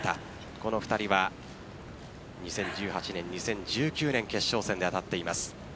この２人は２０１８年、２０１９年決勝戦で当たっています。